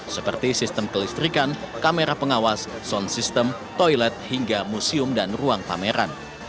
seperti sistem kelistrikan kamera pengawas sound system toilet hingga museum dan ruang pameran